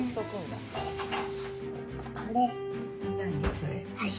それ・